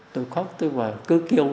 tôi khóc tôi và cứ kêu